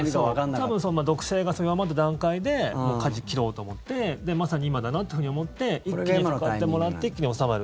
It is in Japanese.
多分毒性が弱まった段階でかじを切ろうと思ってまさに今だなというふうに思って一気にかかってもらって一気に収まる。